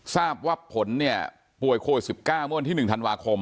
ทราบว่าผลป่วยโควิด๑๙เมื่อ๑ธันวาคม